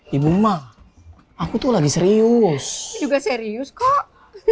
hai ibu ma aku tuh lagi serius juga serius kok